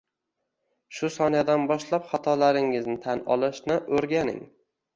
Shu soniyadan boshlab xatolaringizni tan olishni o’rganing